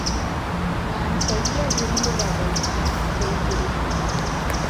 நான் செய்ய விரும்புவதைத்தான் செய்கிறேன்.